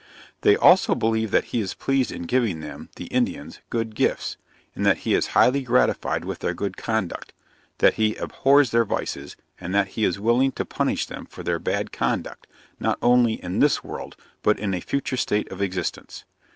They also believe that he is pleased in giving them (the Indians) good gifts; and that he is highly gratified with their good conduct that he abhors their vices, and that he is willing to punish them for their bad conduct, not only in this world, but in a future state of existence.